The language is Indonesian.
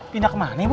pindah kemana ibu